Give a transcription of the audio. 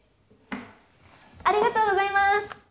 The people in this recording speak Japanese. ありがとうございます！